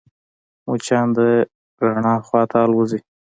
مچان د رڼا خواته الوزي